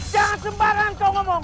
jangan sembarangan kau ngomong